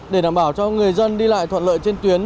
để đảm bảo cho người dân đi lại thuận lợi trên tuyến